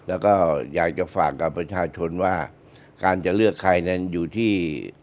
แล้วก็อยากจะฝากกับประชาชนว่าการจะเลือกใครนั้นอยู่ที่